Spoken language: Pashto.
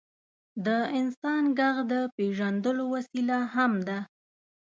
د انسان ږغ د پېژندلو وسیله هم ده.